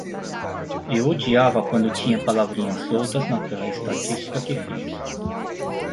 Eu odiava quando tinha palavrinhas soltas naquela estatística que fiz.